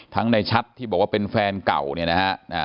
ในชัดที่บอกว่าเป็นแฟนเก่าเนี่ยนะฮะ